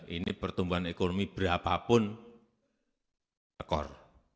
ini pertumbuhan ekonomi berapapun akur